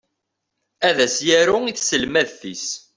Ad as-yaru i tselmadt-is.